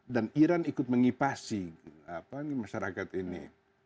dan iran ikut mengipasi masyarakat ini